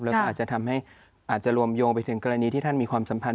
แล้วก็อาจจะทำให้อาจจะรวมโยงไปถึงกรณีที่ท่านมีความสัมพันธ